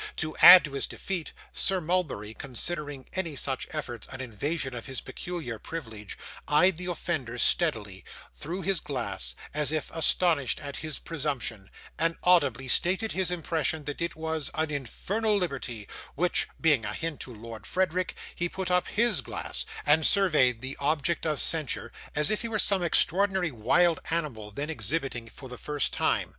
To add to his defeat, Sir Mulberry, considering any such efforts an invasion of his peculiar privilege, eyed the offender steadily, through his glass, as if astonished at his presumption, and audibly stated his impression that it was an 'infernal liberty,' which being a hint to Lord Frederick, he put up HIS glass, and surveyed the object of censure as if he were some extraordinary wild animal then exhibiting for the first time.